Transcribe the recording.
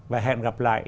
và hẹn gặp lại